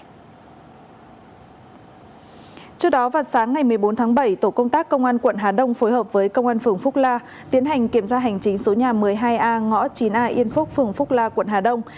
trước đó vào sáng ngày một mươi bốn tháng bảy tổ công tác công an quận hà đông phối hợp với công an phường phúc la tiến hành kiểm tra hành chính số nhà một mươi hai a ngõ chín a yên phúc phường phúc la quận hà đông